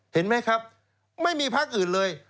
เห็นไหมครับไม่มีพักอื่นเลย